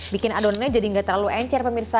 bikin adonannya jadi nggak terlalu encer pemirsa